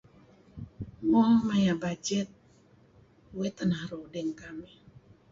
Mo yu bajet uih teh naru' dih ngen kamih.